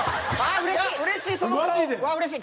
うれしい！